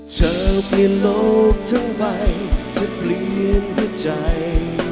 เธอเปลี่ยนโลกทั้งใบเธอเปลี่ยนหัวใจ